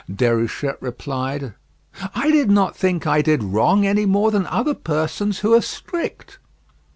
Déruchette replied, "I did not think I did wrong any more than other persons who are strict."